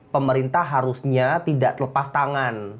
pemerintah harusnya tidak terlepas tangan